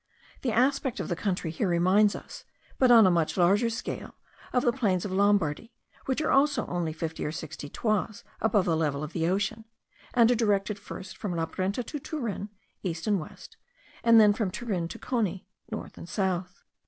The aspect of the country here reminds us, but on a much larger scale, of the plains of Lombardy, which also are only fifty or sixty toises above the level of the ocean; and are directed first from La Brenta to Turin, east and west; and then from Turin to Coni, north and south.